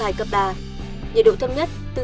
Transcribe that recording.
nhiệt độ cao nhất từ hai mươi tám ba mươi một độ